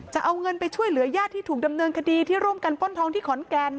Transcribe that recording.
จะเอาเงินไปช่วยเหลือญาติที่ถูกดำเนินคดีที่ร่วมกันป้นทองที่ขอนแก่น